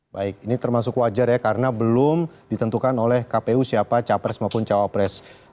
baik ini termasuk wajar ya karena belum ditentukan oleh kpu siapa capres maupun cawapres